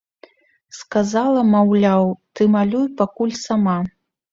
Сказала, маўляў, ты малюй пакуль сама.